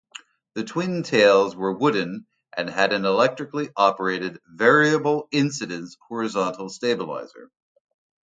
The twin tails were wooden and had an electrically operated variable-incidence horizontal stabilizer.